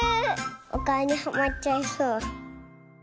おかおにはまっちゃいそう。